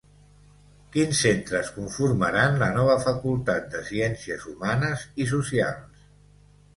Quins centres conformaran la nova Facultat de Ciències Humanes i Socials?